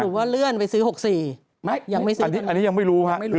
หรือว่าเลื่อนไปซื้อ๖๔อันนี้ยังไม่รู้ครับ